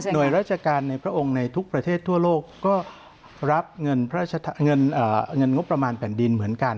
โดยราชการในพระองค์ในทุกประเทศทั่วโลกก็รับเงินงบประมาณแผ่นดินเหมือนกัน